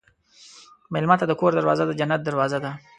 مېلمه ته د کور دروازه د جنت دروازه ده.